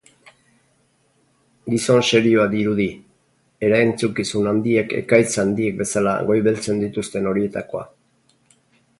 Gizon serioa dirudi, erantzukizun handiek ekaitz handiek bezala goibeltzen dituzten horietakoa.